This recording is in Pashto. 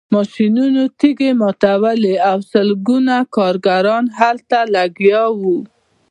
ماشینونو تیږې ماتولې او سلګونه کارګران هلته لګیا وو